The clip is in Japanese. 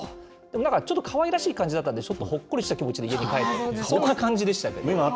なんかちょっとかわいらしい感じだったんで、ちょっとほっこりした気持ちで家に帰って。